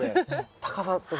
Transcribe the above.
高さとか。